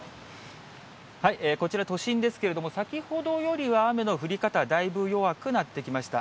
こちら都心ですけれども、先ほどよりは雨の降り方、だいぶ弱くなってきました。